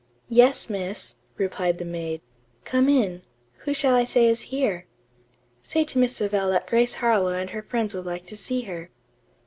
"Yes, miss," replied the maid. "Come in. Who shall I say is here?" "Say to Miss Savell that Grace Harlowe and her friends would like to see her."